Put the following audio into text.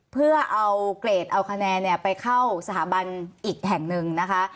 เพื่อเอาเกรดเอาคะแนนไปเข้าสถาบันอีกแห่งหนึ่งนะคะ